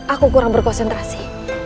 aku kurang berkonsentrasi